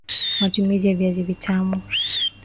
Matumizi ya Viazi Vitamu